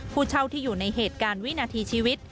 ผู้เช่าที่อยู่ในเหตุการณ์วินาทีชีวิต